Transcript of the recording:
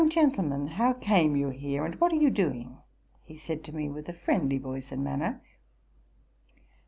45 gentleman, how came you here, and what are you doing?" he said to me, with a friendly voice and manner.